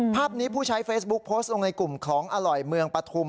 ภาพนี้ผู้ใช้เฟซบุ๊คโพสต์ลงในกลุ่มของอร่อยเมืองปฐุม